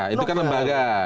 itu kan lembaga